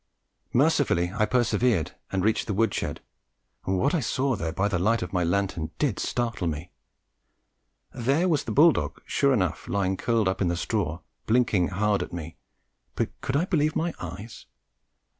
Mercifully I persevered and reached the wood shed, and what I saw there by the light of my lantern did startle me. There was the bull dog sure enough lying curled up in the straw blinking hard at me, but could I believe my eyes?